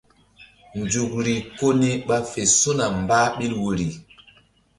Nzukri ko ni ɓa fe su̧na mbah ɓil woyri.